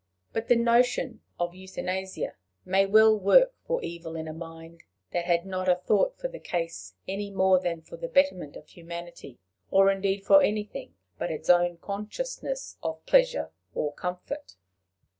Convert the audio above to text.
But the notion of euthanasia might well work for evil in a mind that had not a thought for the case any more than for the betterment of humanity, or indeed for anything but its own consciousness of pleasure or comfort.